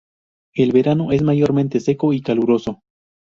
El verano es mayormente seco y caluroso.